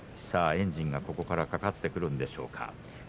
さあ、エンジンがここからかかってくるでしょうか。